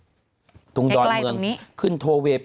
คุณหนุ่มกัญชัยได้เล่าใหญ่ใจความไปสักส่วนใหญ่แล้ว